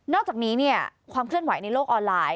อกจากนี้เนี่ยความเคลื่อนไหวในโลกออนไลน